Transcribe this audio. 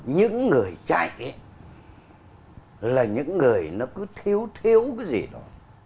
những người chạy là những người nó cứ thiếu thiếu cái gì đó